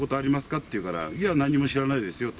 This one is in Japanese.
って言うから、いや、何も知らないですよと。